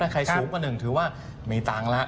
ใครสูงกว่าหนึ่งถือว่ามีตังค์แล้ว